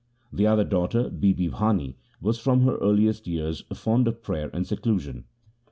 The other daughter, Bibi Bhani, was from her earliest years fond of prayer and seclusion.